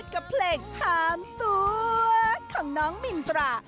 กับเพลงถามสวยของน้องมินตรา